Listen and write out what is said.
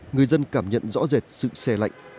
người dân cảm nhận rõ rệt sự xe lạnh